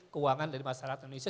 keuangan dari masyarakat indonesia